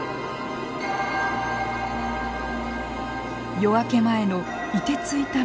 夜明け前のいてついた湖。